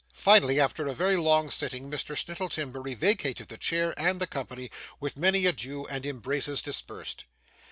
Finally, after a very long sitting, Mr Snittle Timberry vacated the chair, and the company with many adieux and embraces dispersed.